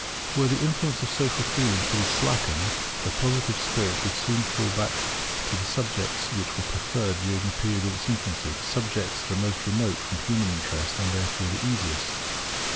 Were the influence of social feeling to be slackened, the Positive spirit would soon fall back to the subjects which were preferred during the period of its infancy; subjects the most remote from human interest, and therefore also the easiest.